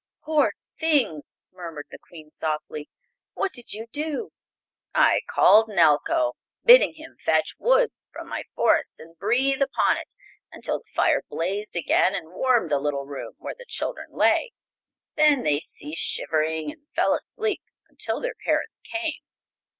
"Poor things!" murmured the Queen softly. "What did you do?" "I called Nelko, bidding him fetch wood from my forests and breathe upon it until the fire blazed again and warmed the little room where the children lay. Then they ceased shivering and fell asleep until their parents came."